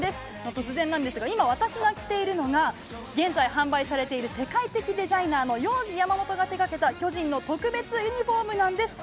突然なんですが、今、私が着ているのが、現在販売されている世界的デザイナーのヨウジヤマモトが手がけた巨人の特別ユニホームなんです。